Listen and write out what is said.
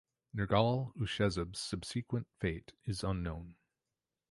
Nergal-ushezib's subsequent fate is unknown.